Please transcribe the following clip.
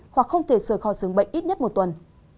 hoặc không thể sửa kho sướng bệnh ít nhất một tuần